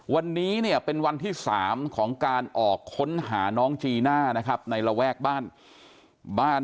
วันนี้เนี่ยเป็นวันที่๓ของการออกค้นหาน้องจีน่านะครับในระแวกบ้านบ้าน